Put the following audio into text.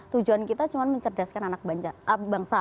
tujuan kita cuma mencerdaskan anak bangsa